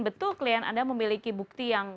betul klien anda memiliki bukti yang